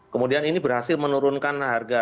kemudian ini berhasil menurunkan harga